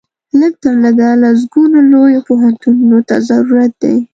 لږ تر لږه سلګونو لویو پوهنتونونو ته ضرورت دی.